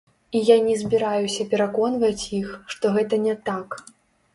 І я не збіраюся пераконваць іх, што гэта не так.